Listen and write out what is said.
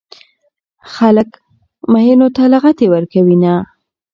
خلک ميينو ته لغتې ورکوينه